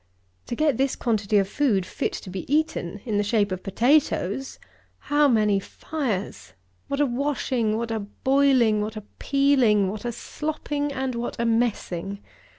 To get this quantity of food, fit to be eaten, in the shape of potatoes, how many fires! what a washing, what a boiling, what a peeling, what a slopping, and what a messing!